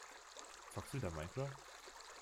Zockst du wieder Minecraft?